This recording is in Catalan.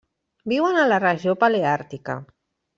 Viuen a la Regió Paleàrtica.